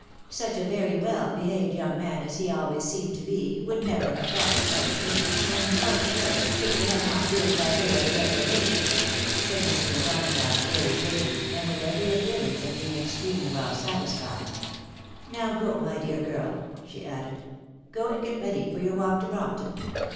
Such a very well behaved young man as he always seemed to be, "would never have thought of such a thing, I am quite sure, if it had not been by way of a declaration," said Mrs. O'Donagough, very gravely, and with every appearance of being extremely well satisfied. "Now go, my dear girl!" she added. " Go and get ready for your walk to Brompton.